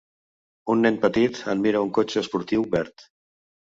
Un nen petit admira un cotxe esportiu verd.